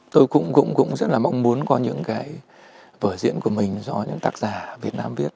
tôi cũng rất là mong muốn có những cái vở diễn của mình do những tác giả việt nam viết